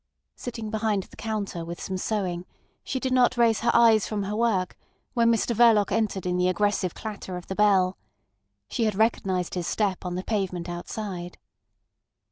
Sitting behind the counter with some sewing, she did not raise her eyes from her work when Mr Verloc entered in the aggressive clatter of the bell. She had recognised his step on the pavement outside.